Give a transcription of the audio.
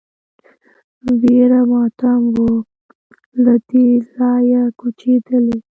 ویر ماتم و له دې ځایه کوچېدلی